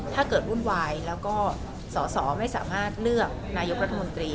ถ้าเกิดวุ่นวายแล้วก็สอสอไม่สามารถเลือกนายกรัฐมนตรี